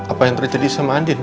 apa yang terjadi sama andin